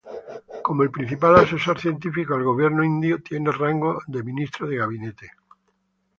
Como el principal asesor científico al gobierno indio, tiene rango de Ministro de Gabinete.